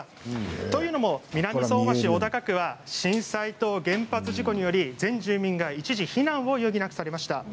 というのも南相馬市小高区は震災と原発事故により全住民が一時避難を余儀なくされました。